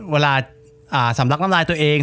เวลาสำลักน้ำลายตัวเอง